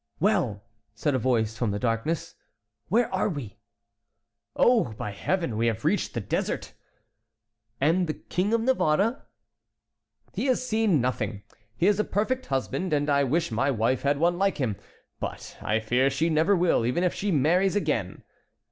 "Well!" said a voice from the darkness; "where are we?" "Oh! by Heaven! we have reached the dessert." "And the King of Navarre?" "He has seen nothing. He is a perfect husband, and I wish my wife had one like him. But I fear she never will, even if she marries again."